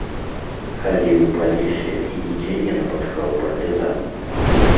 Хадзіў па лесе і нідзе не напаткаў партызан.